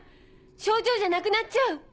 猩々じゃなくなっちゃう。